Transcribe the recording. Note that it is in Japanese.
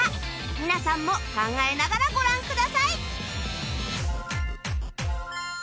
皆さんも考えながらご覧ください